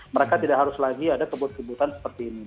mereka tidak harus lagi ada kebut kebutan seperti ini